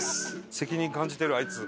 責任感じてるあいつ。